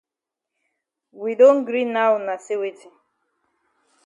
We don gree now na say weti?